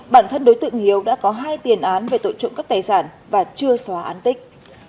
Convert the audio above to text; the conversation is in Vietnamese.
bản thân đối tượng hiếu đã có hai tiền án về tội trộm cắp tài sản và chưa xóa án tích